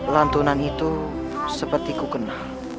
lantunan itu seperti ku kenal